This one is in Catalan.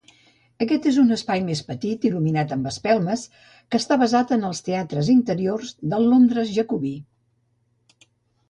Aquest és un espai més petit, il·luminat amb espelmes, que està basat en els teatres interiors del Londres jacobí.